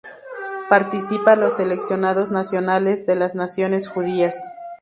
Participa los seleccionados nacionales de las naciones judías.